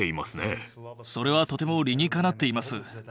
それはとても理にかなっています。